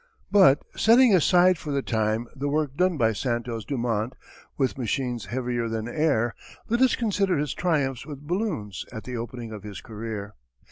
But setting aside for the time the work done by Santos Dumont with machines heavier than air, let us consider his triumphs with balloons at the opening of his career.